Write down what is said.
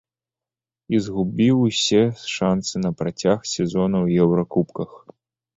І згубіў усе шансы на працяг сезона ў еўракубках.